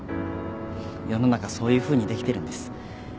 世の中そういうふうにできてるんです。